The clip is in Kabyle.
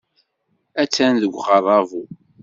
Attan deg uɣerrabu.